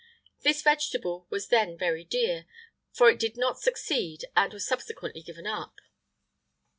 [IX 93] This vegetable was then very dear,[IX 94] for it did not succeed, and was subsequently given up.